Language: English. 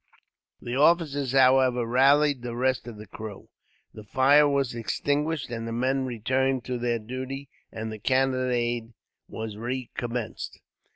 The officers, however, rallied the rest of the crew. The fire was extinguished, the men returned to their duty, and the cannonade was recommenced.